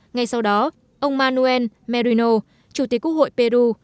ngay sau đó ông manuel merino chủ tế quốc hội peru